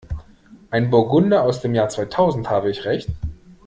Ein Burgunder aus dem Jahr zweitausend, habe ich recht?